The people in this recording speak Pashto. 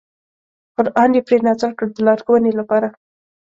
قران یې پرې نازل کړ د لارښوونې لپاره.